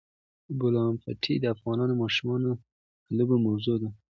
د بولان پټي د افغان ماشومانو د لوبو موضوع ده.